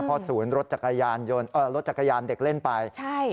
เพราะศูนย์รถจักรยานเด็กเล่นไป